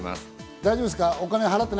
大丈夫ですか？